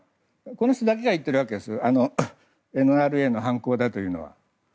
この人だけが言っているわけですＮＲＡの犯行だというのは。